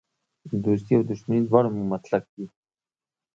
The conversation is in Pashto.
دوستي او دښمني دواړه مو مطلق دي.